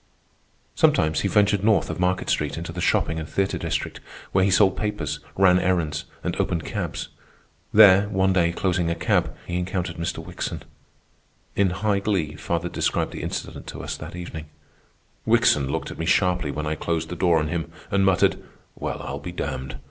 Sometimes he ventured north of Market Street into the shopping and theatre district, where he sold papers, ran errands, and opened cabs. There, one day, closing a cab, he encountered Mr. Wickson. In high glee father described the incident to us that evening. "Wickson looked at me sharply when I closed the door on him, and muttered, 'Well, I'll be damned.